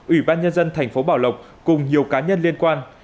ủy ban nhân dân tp bảo lộc cùng nhiều cá nhân liên quan